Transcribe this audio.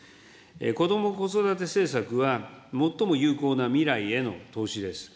こども・子育て政策は、最も有効な未来への投資です。